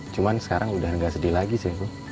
cuman sekarang udah gak sedih lagi sih